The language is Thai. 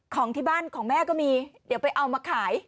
ของที่บ้านของแม่ก็มีเดี๋ยวไปเอามาขาย